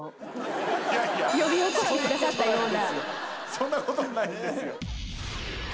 そんなことないですよ。